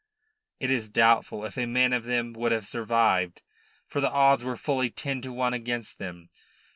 It is doubtful if a man of them would have survived, for the odds were fully ten to one against them.